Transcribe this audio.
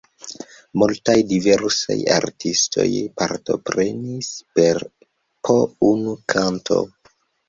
Multaj diversaj artistoj partoprenis per po unu kanto.